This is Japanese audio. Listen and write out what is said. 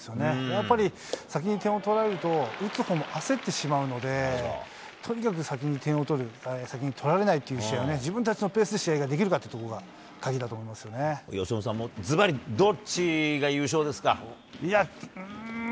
やっぱり先に点を取られると、打つほうも焦ってしまうので、とにかく先に点を取る、先に取られないという試合を、自分たちのペースで試合ができるかっていうところが鍵だと思いま由伸さん、ずばり、どっちがいや、うーん。